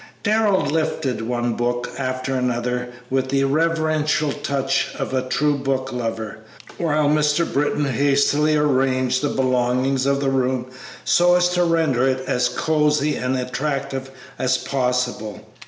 Darrell lifted one book after another with the reverential touch of the true book lover, while Mr. Britton hastily arranged the belongings of the room so as to render it as cosey and attractive as possible.